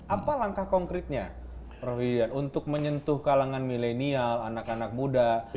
apa langkah konkretnya prof hidan untuk menyentuh kalangan milenial anak anak muda